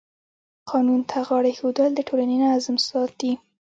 قانون ته غاړه ایښودل د ټولنې نظم ساتي.